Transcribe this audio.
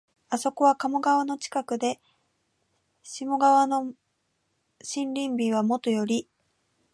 あそこは鴨川の近くで、下鴨の森林美はもとより、